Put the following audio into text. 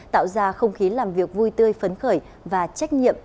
tạo ra không khí làm việc vui tươi phấn khởi và trách nhiệm